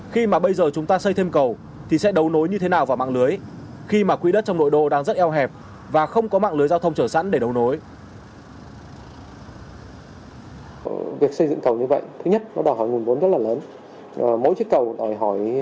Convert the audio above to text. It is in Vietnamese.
khi mà bây giờ chúng ta xây thêm cầu thì sẽ đấu nối như thế nào vào mạng lưới khi mà quỹ đất trong nội đô đang rất eo hẹp và không có mạng lưới giao thông chở sẵn để đấu nối